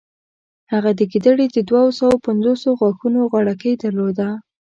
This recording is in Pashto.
هغه د ګیدړې د دوهسوو پنځوسو غاښونو غاړکۍ درلوده.